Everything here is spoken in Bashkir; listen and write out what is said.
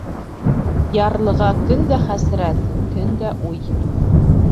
Ярлыға көндә хәсрәт, көндә уй.